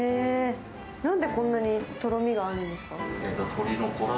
なんでこんなにとろみがあるんですか？